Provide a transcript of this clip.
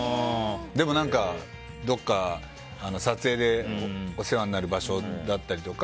でも、どこか撮影でお世話になる場所だったりとか。